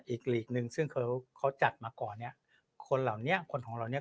อีกหลีกหนึ่งซึ่งเขาเขาจัดมาก่อนเนี้ยคนเหล่านี้คนของเราเนี้ย